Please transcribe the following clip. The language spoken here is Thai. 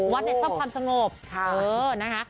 วัดเนี่ยความความสงบเออนะคะ